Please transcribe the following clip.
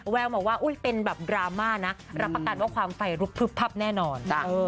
แววมาว่าเป็นแบบดราม่านะรับประกันว่าความไฟลุกพึบพับแน่นอน